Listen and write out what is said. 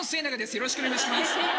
よろしくお願いします。